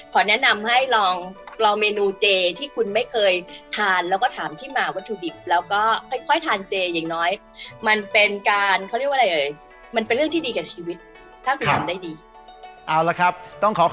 ขอแนะนำให้ลองเมนูเจ๊ที่คุณไม่เคยทาน